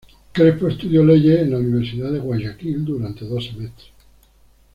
Crespo estudió leyes en la Universidad de Guayaquil durante dos semestres.